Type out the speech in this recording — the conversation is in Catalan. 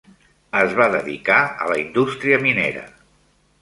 Es va dedicar a la indústria minera.